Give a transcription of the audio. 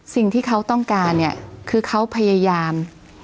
สิ่งที่เขาต้องการเนี่ยคือเขาพยายาม